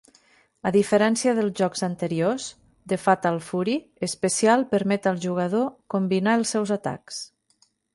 A diferència dels jocs anteriors de "Fatal Fury", "Special" permet al jugador combinar els seus atacs.